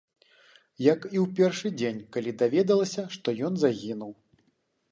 Як і ў першы дзень, калі даведалася, што ён загінуў.